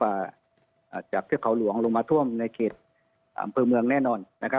จากเทือกเขาหลวงลงมาท่วมในเขตอำเภอเมืองแน่นอน